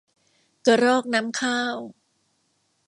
กระรอกน้ำข้าว